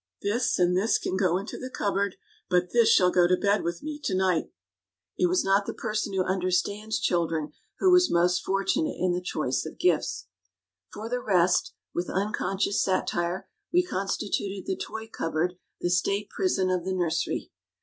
" This and this can go into the cupboard, but this shall go to bed with me to night !" It was not the person who " understands " children who was most fortunate in the choice of gifts. For the rest, with unconscious satire, we constituted the toy cupboard the state prison of the nursery.